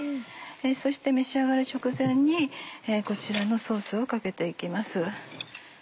そして召し上がる直前にこちらのソースをかけて行きます。